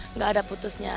enggak ada putusnya